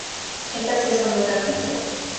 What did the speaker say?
Este acceso no es gratuito.